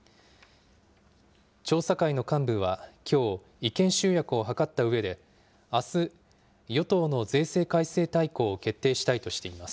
調査会の幹部はきょう、意見集約を図ったうえで、あす、与党の税制改正大綱を決定したいとしています。